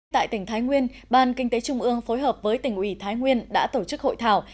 tại tỉnh thái nguyên ban kinh tế trung ương phối hợp với tỉnh ủy thái nguyên đã tổ chức hội thảo